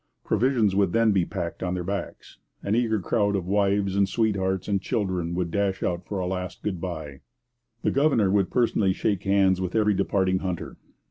Provisions would then be packed on their backs. An eager crowd of wives and sweethearts and children would dash out for a last good bye. The governor would personally shake hands with every departing hunter.